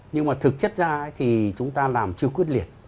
nhưng mà thực chất ra thì chúng ta làm chưa quyết liệt